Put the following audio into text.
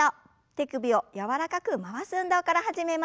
手首を柔らかく回す運動から始めます。